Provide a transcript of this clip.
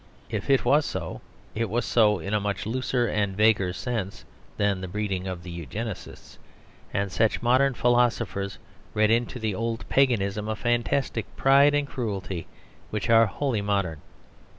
If it was so it was so in a much looser and vaguer sense than the breeding of the Eugenists; and such modern philosophers read into the old paganism a fantastic pride and cruelty which are wholly modern.